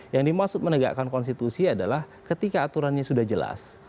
yang dimaksud menegakkan konstitusi adalah ketika aturannya sudah jelas